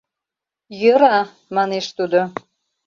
— Йӧра! — манеш тудо.